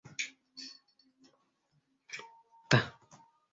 . П